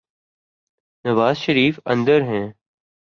نوازشریف اندر ہیں۔